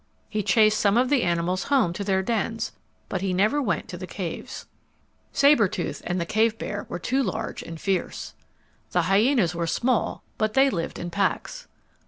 He chased some of the animals home to their dens, but he never went to the caves. Sabre tooth and the cave bear were too large and fierce. The hyenas were small, but they lived in packs.